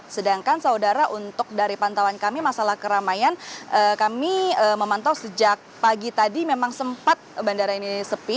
sedangkan saudara untuk dari pantauan kami masalah keramaian kami memantau sejak pagi tadi memang sempat bandara ini sepi